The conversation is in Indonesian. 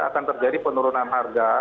akan terjadi penurunan harga